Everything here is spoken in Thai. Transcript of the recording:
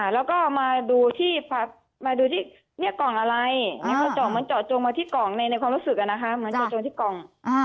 แล้วก็มาดูที่เรียกกล่องอะไรมันเจาะจงมาที่กล่องในความรู้สึกนะคะมันเจาะจงที่กล่อง